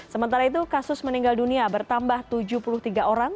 sementara itu kasus meninggal dunia bertambah tujuh puluh tiga orang